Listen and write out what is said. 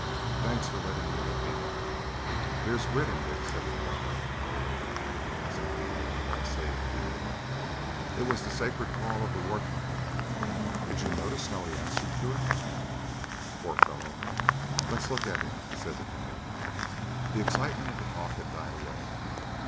Thanks for letting me look in." "There's grit in Dick," said the Nilghai, an hour later, when the room was emptied of all save the Keneu. "It was the sacred call of the war trumpet. Did you notice how he answered to it? Poor fellow! Let's look at him," said the Keneu. The excitement of the talk had died away.